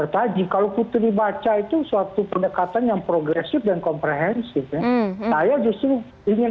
tadi kalau putri baca itu suatu pendekatan yang progresif dan komprehensif saya justru ingin